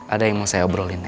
ada yang mau saya obrolin